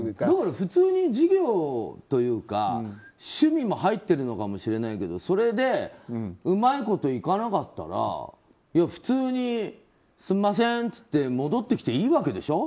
普通に事業というか、趣味も入ってるのかもしれないけどそれでうまいこといかなかったら普通にすみませんと言って戻ってきていいわけでしょ。